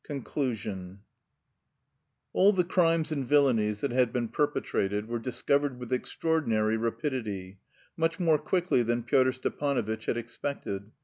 CONCLUSION ALL THE CRIMES AND VILLAINIES THAT had been perpetrated were discovered with extraordinary rapidity, much more quickly than Pyotr Stepanovitch had expected.